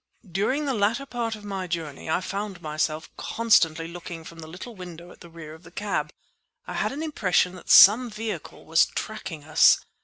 During the latter part of my journey I found myself constantly looking from the little window at the rear of the cab. I had an impression that some vehicle was tracking us.